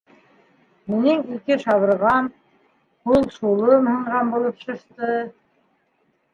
Минең ике шабырғам, һул шулым һынған булып сышты.